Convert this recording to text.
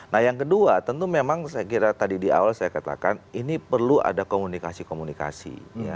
nah yang kedua tentu memang saya kira tadi di awal saya katakan ini perlu ada komunikasi komunikasi